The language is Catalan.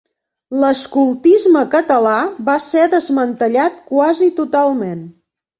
L’escoltisme català va ser desmantellat quasi totalment.